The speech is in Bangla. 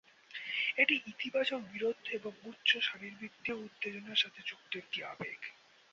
এটি ইতিবাচক বীরত্ব এবং উচ্চ শারীরবৃত্তীয় উত্তেজনার সাথে যুক্ত একটি আবেগ।